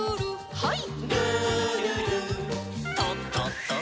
はい。